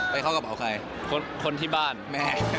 เข้ากระเป๋าใครคนที่บ้านแม่